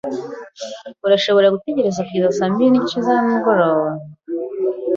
Urashobora gutegereza kugeza saa mbiri nigice za nimugoroba?